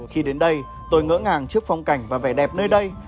khi đến đây tôi ngỡ ngàng trước phong cảnh và vẻ đẹp nơi đây